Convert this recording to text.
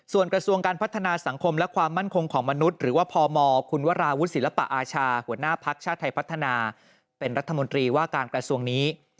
ส่วนกระทรวงการพัฒนาสังคมและความมั่นคงของมนุษย์หรือว่าพมคุณวราวุฒิศิลปะอาชาหัวหน้าภักดิ์ชาติไทยพัฒนาเป็นรัฐมนตรีว่าการกระทรวงนี้